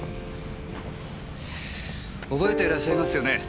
覚えてらっしゃいますよね？